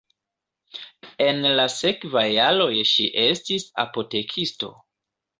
En la sekvaj jaroj ŝi estis apotekisto.